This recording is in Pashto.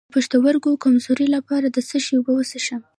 د پښتورګو د کمزوری لپاره د څه شي اوبه وڅښم؟